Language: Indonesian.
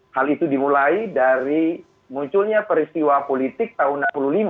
hal itu dimulai dari munculnya peristiwa politik tahun seribu sembilan ratus enam puluh lima